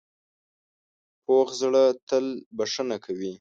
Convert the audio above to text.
پوخ زړه تل بښنه کوي